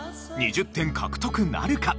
２０点獲得なるか？